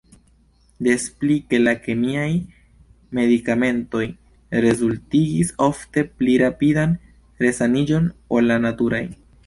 Des pli ke la kemiaj medikamentoj rezultigis ofte pli rapidan resaniĝon ol la naturaj.